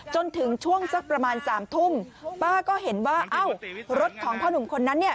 จนถึงช่วงสักประมาณสามทุ่มป้าก็เห็นว่าเอ้ารถของพ่อหนุ่มคนนั้นเนี่ย